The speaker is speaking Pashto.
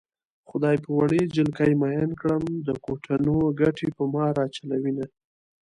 خدای په وړې جلکۍ مئين کړم د کوټنو ګټې په ما راچلوينه